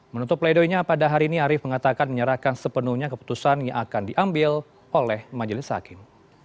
menutup play dohnya pada hari ini arief mengatakan menyerahkan sepenuhnya keputusan yang akan diambil oleh majelis hakim